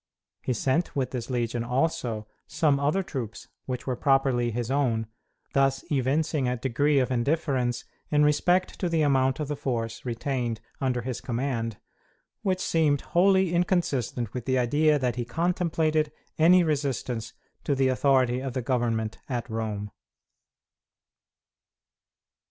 He sent with this legion, also, some other troops which were properly his own, thus evincing a degree of indifference in respect to the amount of the force retained under his command which seemed wholly inconsistent with the idea that he contemplated any resistance to the authority of the government at Rome.